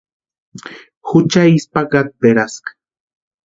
Jucha isï pakatperaska.